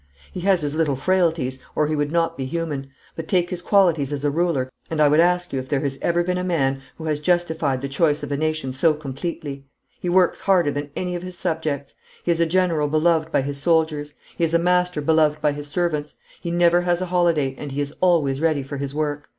He has his little frailties, or he would not be human, but take his qualities as a ruler and I would ask you if there has ever been a man who has justified the choice of a nation so completely. He works harder than any of his subjects. He is a general beloved by his soldiers. He is a master beloved by his servants. He never has a holiday, and he is always ready for his work.